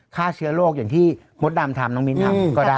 ฆ่าเชื้อโรคอย่างที่มดดำทำน้องมิ้นทำก็ได้